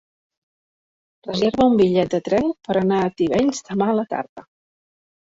Reserva'm un bitllet de tren per anar a Tivenys demà a la tarda.